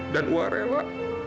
dan wak rela